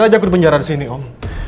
biar aja aku dipenjara di sini om